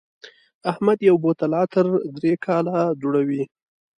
احمد یو بوتل عطر درې کاله دوړوي.